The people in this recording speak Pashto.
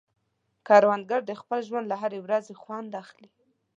کروندګر د خپل ژوند له هرې ورځې خوند اخلي